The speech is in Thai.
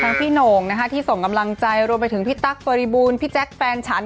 พี่โหน่งนะคะที่ส่งกำลังใจรวมไปถึงพี่ตั๊กบริบูรณพี่แจ๊คแฟนฉัน